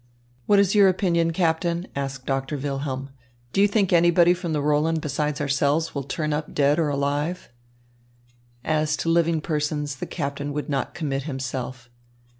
"What is your opinion, Captain?" asked Doctor Wilhelm. "Do you think anybody from the Roland beside ourselves will turn up dead or alive?" As to living persons, the captain would not commit himself.